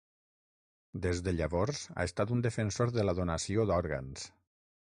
Des de llavors ha estat un defensor de la donació d'òrgans.